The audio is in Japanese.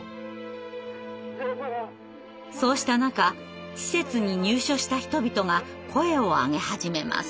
そうした中施設に入所した人々が声を上げ始めます。